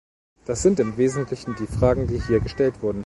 Das sind im wesentlichen die Fragen, die hier gestellt wurden.